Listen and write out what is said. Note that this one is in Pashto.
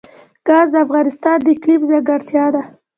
ګاز د افغانستان د اقلیم ځانګړتیا ده.